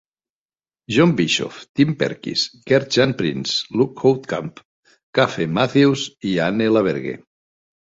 John Bischoff, Tim Perkis, Gert-Jan Prins, Luc Houtkamp, Kaffe Matthews i Anne LaBerge.